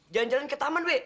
jalan jalan ke taman week